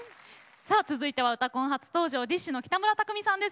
さあ続いては「うたコン」初登場ＤＩＳＨ／／の北村匠海さんです。